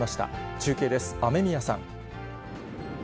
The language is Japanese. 中継です、雨宮さん。